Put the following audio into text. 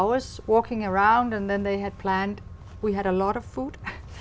vì vậy chúng tôi nghĩ sẽ là một hợp tác tốt